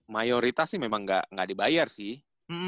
mayoritas sih memang gak dibayar sih